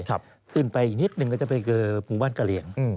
ขึ้นไปอีกนิดนึงก็จะไปเจอหมู่บ้านกะเหลี่ยง